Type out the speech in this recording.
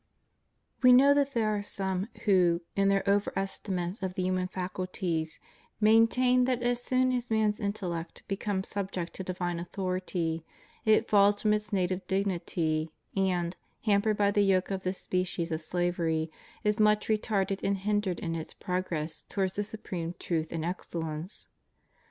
We know that there are some who, in their overesti mate of the human faculties, maintain that as soon as man's intellect becomes subject to divine authority it falls from its native dignity, and, hampered by the yoke of this species of slavery, is much retarded and hindered in its progress towards the supreme truth and excellence.